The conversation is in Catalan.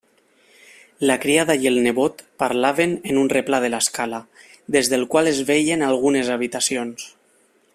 La criada i el nebot parlaven en un replà de l'escala, des del qual es veien algunes habitacions.